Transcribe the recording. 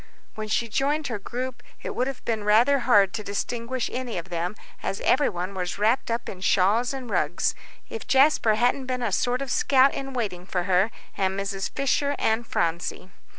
When she joined her group it would have been rather hard to distinguish any of them, as everybody was wrapped up in shawls and rugs, if Jasper hadn't been a sort of scout in waiting for her and Mrs. Fisher and Phronsie.